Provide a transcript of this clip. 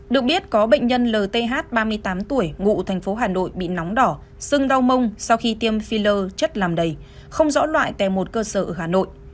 được biết có bệnh nhân lth ba mươi tám tuổi ngụ tp hcm bị nóng đỏ sưng đau mông sau khi tiêm filler chất làm đầy không rõ loại tè một cơ sở ở hà nội